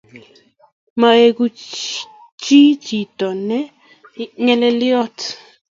Meigu chi chito ne ingelelyot.